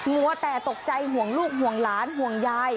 มัวแต่ตกใจห่วงลูกห่วงหลานห่วงยาย